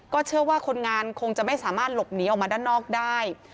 เชื่อว่าคนงานคงจะไม่สามารถหลบหนีออกมาด้านนอกได้